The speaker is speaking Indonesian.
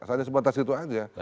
hanya sebatas itu aja